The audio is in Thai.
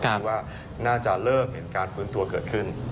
ที่เราเจอรายงานการฟื้นตัวเกิดขึ้น